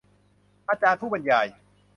อาจารย์ผู้บรรยาย